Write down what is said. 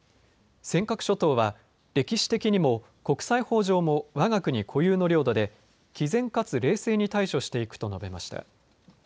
尖閣諸島は歴史的にも国際法上もわが国固有の領土できぜんかつ冷静に対処していくと述べました。